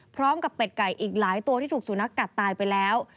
พร้อมกับเป็ดไก่อีกหลายตัวที่ถูกสูนักกัดตายไปแล้ว